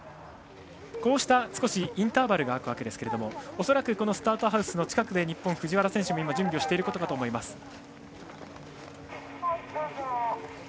こうしてインターバルが空くわけですが恐らく、スタートハウスの近くで日本の藤原選手も準備をしていることかと思います。